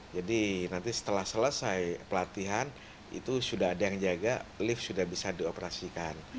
jadi nanti setelah selesai pelatihan itu sudah ada yang jaga lift sudah bisa dioperasikan